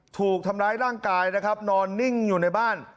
ถูกทำร้ายร่างกายนะครับนอนนิ่งอยู่ในบ้าน